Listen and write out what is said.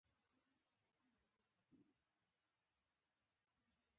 هيچ کله هم ملګري مه پلوره .